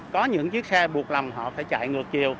có những chiếc xe buộc lòng họ phải chạy ngược chiều